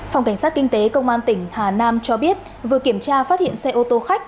phòng cảnh sát kinh tế công an tỉnh hà nam cho biết vừa kiểm tra phát hiện xe ô tô khách